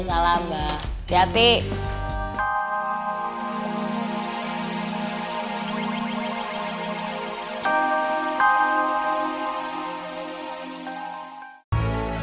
untung salam mbak